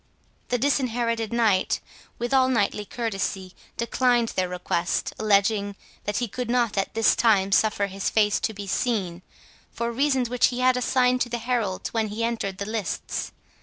The Disinherited Knight, with all knightly courtesy, declined their request, alleging, that he could not at this time suffer his face to be seen, for reasons which he had assigned to the heralds when he entered the lists.